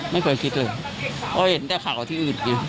ไม่เคยคิดเลยเพราะเห็นแต่ข่าวที่อื่น